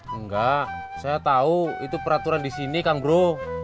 enggak saya tau itu peraturan disini kang bro